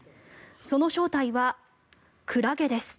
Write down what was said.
その正体はクラゲです。